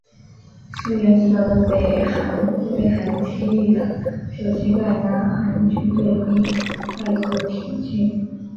苏联指导的北韩部队很轻易的就击败南韩军队并快速挺进。